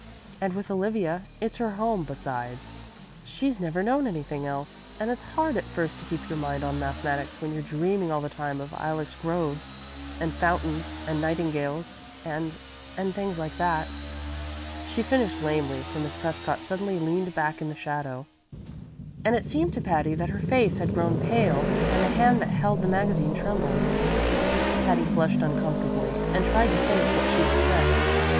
And with Olivia it's her home, besides. She's never known anything else. And it's hard at first to keep your mind on mathematics when you're dreaming all the time of ilex groves and fountains and nightingales and and things like that." She finished lamely, for Miss Prescott suddenly leaned back in the shadow, and it seemed to Patty that her face had grown pale and the hand that held the magazine trembled. Patty flushed uncomfortably and tried to think what she had said.